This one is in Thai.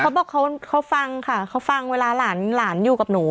เขาบอกว่าเขาเขาเขาฟังค่ะเขาฟังเวลาหลานหลานอยู่กับหนู